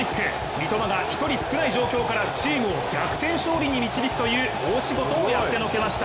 三笘が一人少ない状況からチームを逆転勝利に導くという大仕事をやってのけました！